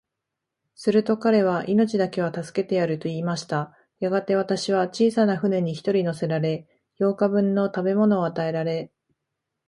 すると彼は、命だけは助けてやる、と言いました。やがて、私は小さな舟に一人乗せられ、八日分の食物を与えられ、